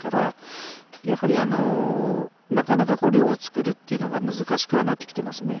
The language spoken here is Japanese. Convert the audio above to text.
やはりなかなか量を作るっていうのが難しくはなってきていますね。